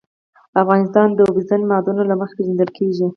افغانستان د اوبزین معدنونه له مخې پېژندل کېږي.